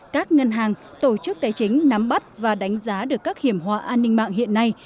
các ngân hàng tổ chức tài chính nắm bắt và đánh giá được các hiểm hóa an ninh mạng hiện nay